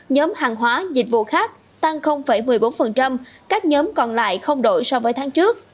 nhóm hàng hóa dịch vụ khác tăng một mươi bốn các nhóm còn lại không đổi so với tháng trước